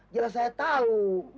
jelas saya tahu